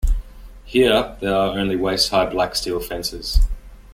Here, there are only waist-high black steel fences.